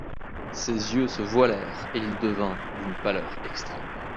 Ses yeux se voilèrent et il devint d'une pâleur extrême.